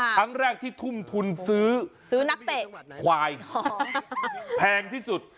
นี่คือครั้งแรกที่ทุ่มทุนซื้อขวายแพงที่สุด